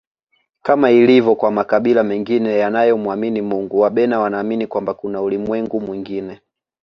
Kama ilivyo kwa makabila mengine yanayo mwamini Mungu Wabena wanaamini kwamba kuna ulimwengu mwingine